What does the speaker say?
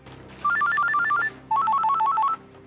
bu sebentar ya